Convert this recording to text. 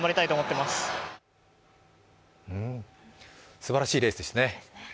すばらしいレースでしたね。